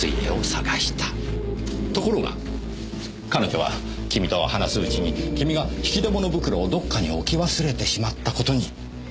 ところが彼女はキミと話すうちにキミが引き出物袋をどこかに置き忘れてしまった事に気付いた。